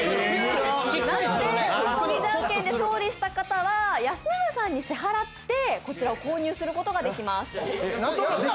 なので「男気じゃんけん」で勝利した方は安永さんに支払ってこちらを購入することができます。